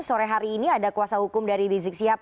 sore hari ini ada kuasa hukum dari rizik sihab